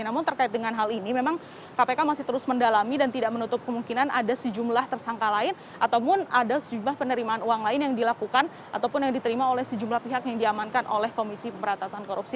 namun terkait dengan hal ini memang kpk masih terus mendalami dan tidak menutup kemungkinan ada sejumlah tersangka lain ataupun ada sejumlah penerimaan uang lain yang dilakukan ataupun yang diterima oleh sejumlah pihak yang diamankan oleh komisi pemberantasan korupsi